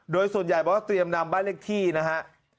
โดยส่วนใหญ่บอกว่าเตรียมนำบ้านเลขที่นะฮะ